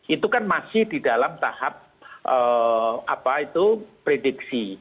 itu kan masih di dalam tahap apa itu prediksi